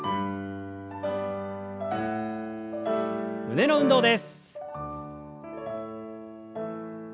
胸の運動です。